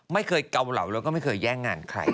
เกาเหลาแล้วก็ไม่เคยแย่งงานใคร